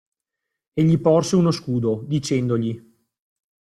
E gli porse uno scudo, dicendogli.